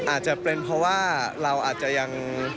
อาจจะเป็นเพราะว่าเราอาจจะยัง